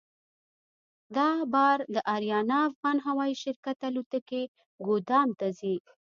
دا بار د اریانا افغان هوایي شرکت الوتکې ګودام ته ځي.